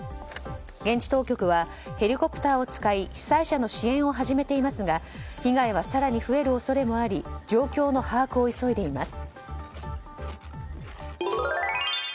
現地当局はヘリコプターを使い被災者の支援を始めていますが被害は更に増える恐れもあり状況の把握を急いでいます。